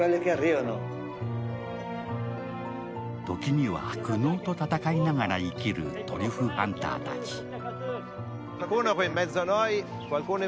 時には苦悩と戦いながら生きるトリュフハンターたち。